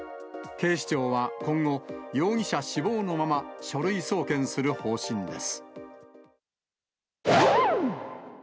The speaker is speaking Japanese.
警視庁は今後、容疑者死亡のまま、書類送検する方針です。